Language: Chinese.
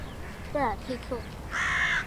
贝尔佩克。